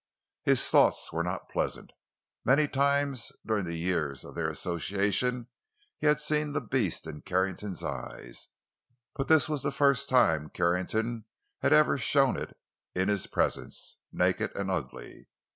His thoughts were not pleasant. Many times during the years of their association he had seen the beast in Carrington's eyes, but this was the first time Carrington had even shown it in his presence, naked and ugly.